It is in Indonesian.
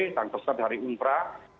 dan peserta dari umra